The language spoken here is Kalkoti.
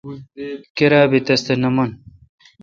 کیراب بی کس تھ نہ من۔